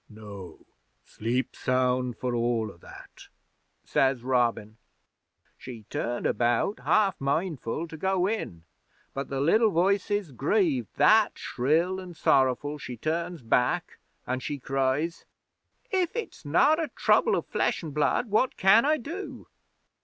'"No. Sleep sound for all o' that," says Robin. 'She turned about, half mindful to go in, but the liddle voices grieved that shrill an' sorrowful she turns back, an' she cries: "If it is not a Trouble of Flesh an' Blood, what can I do?"